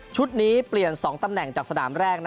ชุดนี้เปลี่ยน๒ตำแหน่งจากสดามแรกนะครับ